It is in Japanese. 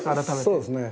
そうですね。